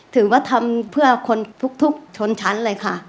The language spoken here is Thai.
ถือว่าทำเพื่อคนทุกชนชั้นเลยค่ะ